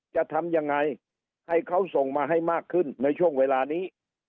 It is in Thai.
จะทำยังไงให้เขาส่งมาให้มากขึ้นในช่วงเวลานี้